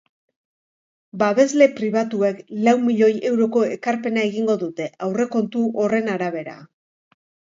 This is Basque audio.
Babesle pribatuek lau milioi euroko ekarpena egingo dute, aurrekontu horren arabera.